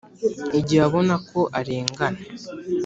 Igihe abona ko arengana